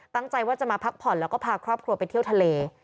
ตั้งใจว่าจะมาพักผ่อนแล้วก็พาครอบครัวไปเที่ยวทะเล